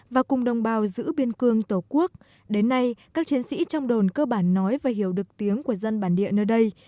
và cùng đồng bào giữ biên cương tổ quốc đến nay các chiến sĩ trong đồn cơ bản nói và hiểu được tiếng của dân bản địa nơi đây